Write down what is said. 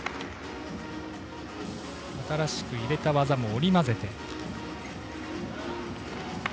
新しく入れた技も織り交ぜて。